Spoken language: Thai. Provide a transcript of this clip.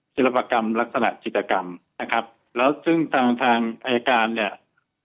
ศิลปกรรมลักษณะจิตกรรมนะครับแล้วซึ่งทางทางอายการเนี่ย